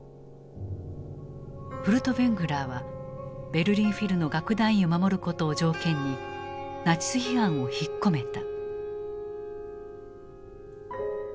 フルトヴェングラーはベルリン・フィルの楽団員を守ることを条件にナチス批判を引っ込めた。